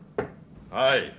はい。